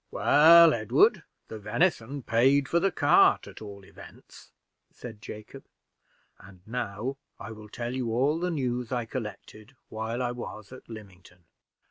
"Well, Edward, the venison paid for the cart at all events," said Jacob, "and now, I will tell you all the news I collected while I was at Lymington.